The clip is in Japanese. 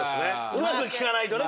うまく聞かないとね